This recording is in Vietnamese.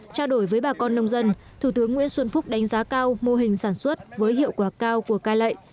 trao đổi với bà con nông dân thủ tướng nguyễn xuân phúc đánh giá cao mô hình sản xuất với hiệu quả cao của cai lệ